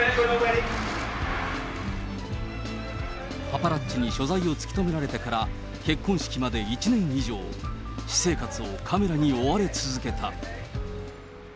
パパラッチに所在を突き止められてから、結婚式まで１年以上、私生活をカメラに追われ続けた。